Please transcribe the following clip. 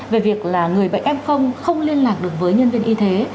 về việc là người bệnh em không liên lạc được với nhân viên y thế